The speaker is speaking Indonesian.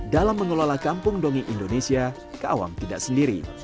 dalam mengelola kampung dongeng indonesia ke awam tidak sendiri